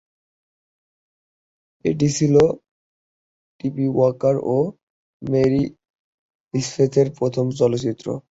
এটি ছিল Tippi Walker ও মেরি স্পেথের প্রথম চলচ্চিত্র।